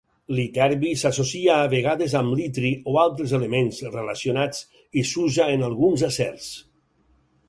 L'iterbi s'associa a vegades amb l'itri o altres elements relacionats i s'usa en alguns acers.